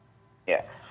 nah itu sudah diperhatikan